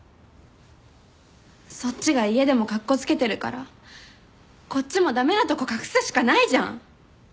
そっちが家でもカッコつけてるからこっちも駄目なとこ隠すしかないじゃん！